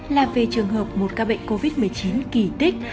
là về trường hợp một ca bệnh covid một mươi chín kỳ tích